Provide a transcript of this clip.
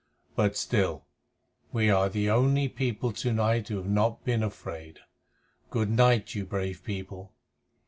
But still, we are the only people to night who have not been afraid. Good night, you brave people."